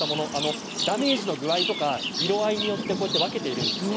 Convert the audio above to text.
ダメージの具合とか色合いによって分けているんですよ